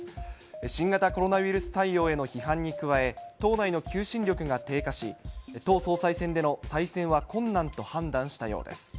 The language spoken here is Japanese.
新型コロナウイルス対応への批判に加え、党内の求心力が低下し、党総裁選での再選は困難と判断したようです。